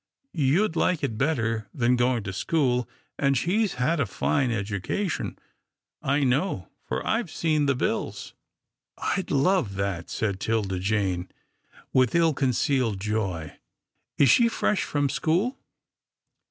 You'd like it better than going to school, and she's had a fine education, I know, for I've seen the bills." " I'd love that," said Tilda Jane with ill con cealed joy. " Is she fresh from school?